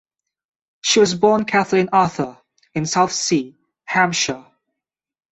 She was born Kathleen Arthur in Southsea, Hampshire.